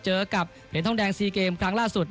เจอกับเหรนทองแดงซีเกมครั้งล่าสุดนะครับ